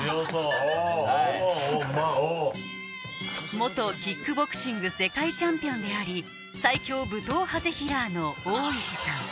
元キックボクシング世界チャンピオンであり最強武闘派ぜひらーの大石さん